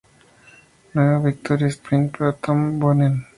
Nueva victoria de Sprint para Tom Boonen.